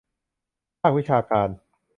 ภาควิชาการ